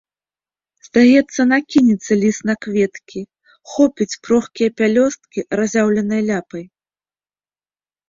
Здаецца, накінецца ліс на кветкі, хопіць крохкія пялёсткі разяўленай ляпай.